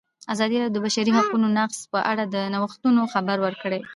ازادي راډیو د د بشري حقونو نقض په اړه د نوښتونو خبر ورکړی.